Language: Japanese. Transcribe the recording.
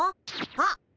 あっ。